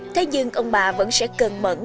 thế nhưng ông bà vẫn sẽ cân mẫn